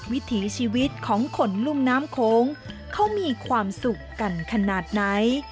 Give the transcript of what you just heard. วิถีชีวิตของคนลุ่มน้ำโค้งเขามีความสุขกันขนาดไหน